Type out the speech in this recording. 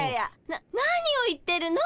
なっ何を言ってるの？